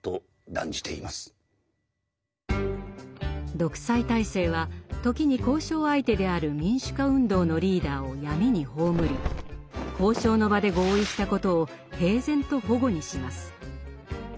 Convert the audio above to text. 独裁体制は時に交渉相手である民主化運動のリーダーを闇に葬り交渉の場で合意したことを平然と反故にします。